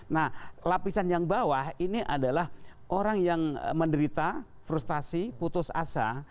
nah lapisan yang bawah ini adalah orang yang menderita frustasi putus asa